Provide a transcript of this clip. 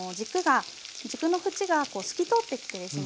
軸の縁が透き通ってきてですね